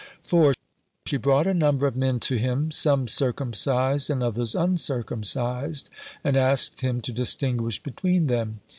4. She brought a number of men to him, some circumcised and others uncircumcised, and asked him to distinguish between them.